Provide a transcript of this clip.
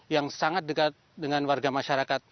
yang sangat dekat dengan warga masyarakat